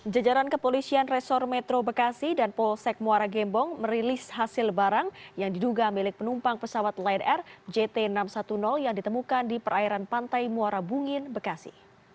jajaran kepolisian resor metro bekasi dan polsek muara gembong merilis hasil barang yang diduga milik penumpang pesawat lion air jt enam ratus sepuluh yang ditemukan di perairan pantai muara bungin bekasi